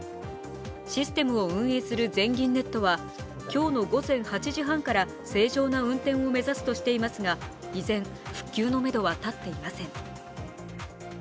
システムを運営する全銀ネットは今日の午前８時半から正常な運転を目指すとしていますが依然、復旧のめどは立っていません。